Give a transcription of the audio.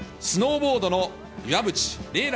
スノーボードの岩渕麗